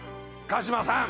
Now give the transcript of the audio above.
鹿島さん